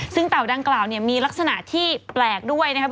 ซึ่งเต่าดังกล่าวเนี่ยมีลักษณะที่แปลกด้วยนะครับ